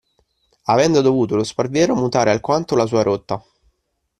Avendo dovuto lo Sparviero mutare alquanto la sua rotta.